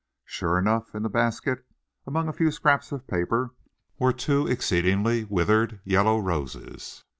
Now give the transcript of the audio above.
Sure enough, in the basket, among a few scraps of paper, were two exceedingly withered yellow roses.